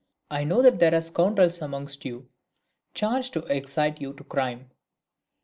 I know that there are scoundrels amongst you charged to excite you to crime.